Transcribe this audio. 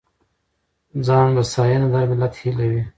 ځانبسیاینه د هر ملت هیله وي.